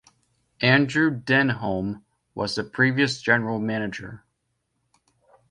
Andrew Denholm was the previous general manager.